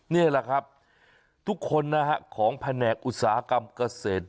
นี่แหละครับทุกคนนะฮะของแผนกอุตสาหกรรมเกษตร